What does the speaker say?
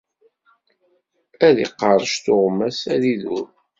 Ad iqerrec tuɣmas, ad idub.